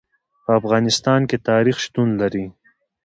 په افغانستان کې تاریخ شتون لري.